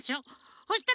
そしたらこ。